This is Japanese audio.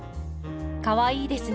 かわいいですね。